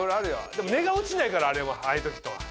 でも値が落ちないからあれはああいう時のは。